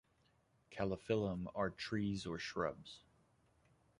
"Calophyllum" are trees or shrubs.